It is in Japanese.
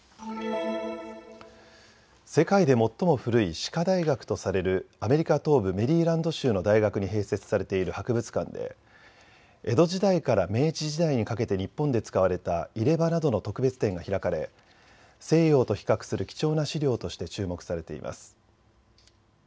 世界で最も古い歯科大学とされるアメリカ東部メリーランド州の大学に併設されている博物館で江戸時代から明治時代にかけて日本で使われた入れ歯などの特別展が開かれ西洋と比較する貴重な資料として注目されています。